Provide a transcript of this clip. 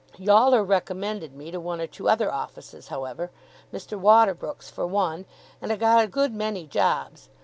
Yawler recommended me to one or two other offices, however Mr. Waterbrook's for one and I got a good many jobs.